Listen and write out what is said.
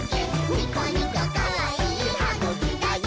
ニコニコかわいいはぐきだよ！」